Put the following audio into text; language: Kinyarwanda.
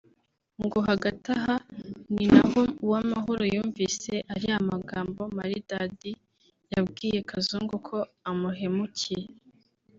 ngo hagati aha ni naho Uwamahoro yumvise ariya magambo Maridadi yabwiye Kazungu ko amuhemukiye